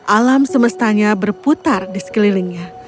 alam semestanya berputar di sekelilingnya